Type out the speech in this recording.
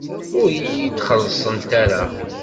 Ur iyi-d-xellṣent ara.